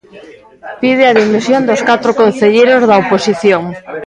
Pide a dimisión dos catro concelleiros da oposición.